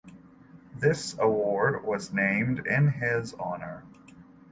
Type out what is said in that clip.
This award was named in his honour.